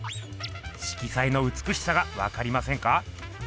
色彩のうつくしさがわかりませんか？